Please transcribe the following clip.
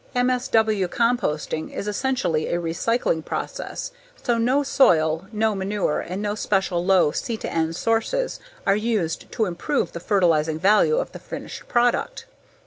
MSW composting is essentially a recycling process, so no soil, no manure and no special low C/N sources are used to improve the fertilizing value of the finished product.